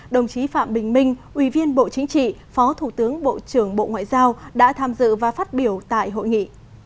đồng chí phạm bình minh ủy viên bộ chính trị phó thủ tướng bộ trưởng bộ ngoại giao đã tham dự và phát biểu tại hội nghị